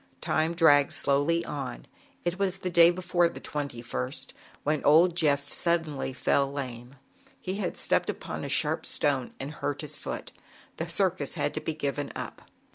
Time dragged slowly on. It was the day before the 2ist, when old Jeff suddenly fell lame. He had stepped upon a sharp stone and hurt his foot. The circus had to be given up.